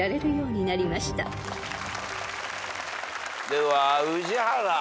では宇治原。